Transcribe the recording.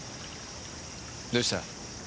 どうした？